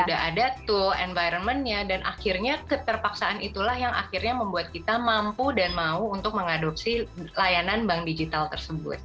sudah ada tool environment nya dan akhirnya keterpaksaan itulah yang akhirnya membuat kita mampu dan mau untuk mengadopsi layanan bank digital tersebut